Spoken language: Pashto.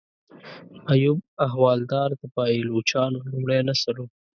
ایوب احوالدار د پایلوچانو لومړی نسل و.